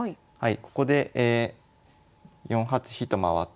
ここで４八飛と回って。